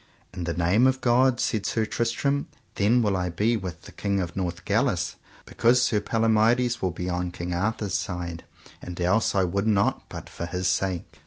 In the name of God, said Sir Tristram, then will I be with the King of Northgalis, because Sir Palomides will be on King Arthur's side, and else I would not but for his sake.